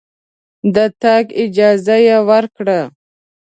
د تګ اجازه یې ورکړه.